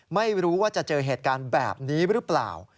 ไม่รู้ว่าจะเจอเหตุการณ์แบบนี้หรือเปล่า